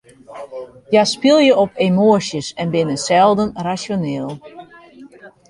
Hja spylje op emoasjes en binne selden rasjoneel.